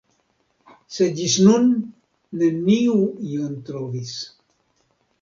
Sed ĝis nun neniu ion trovis.